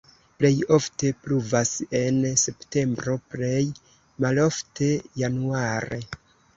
Plej ofte pluvas en septembro, plej malofte januare.